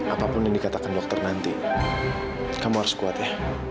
apapun yang dikatakan dokter nanti kamu harus kuat ya